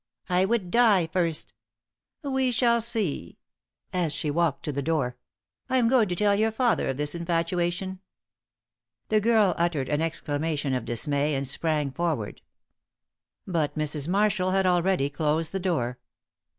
"I would die first." "We shall see," and walked to the door. "I am going to tell your father of this infatuation." The girl uttered an exclamation of dismay and sprang forward. But Mrs. Marshall had already closed the door.